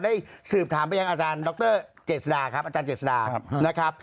ได้สืบถามไปยังอาจารย์เจสดาครับ